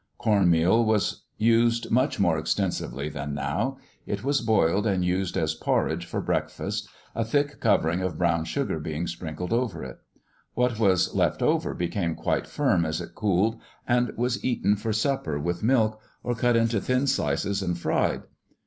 Corn meal was used much more extensively than now; it was boiled and used as porridge for breakfast, a thick covering of brown sugar being sprinkled over it; what was left over became quite firm as it cooled, and was eaten for supper with milk, or cut into thin slices and fried.